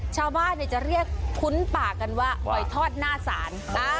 ชาวบ้านจะเรียกคุ้นปากกันว่าหอยทอดหน้าศาล